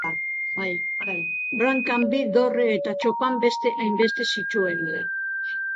Brankan bi dorre eta txopan beste hainbeste zituen.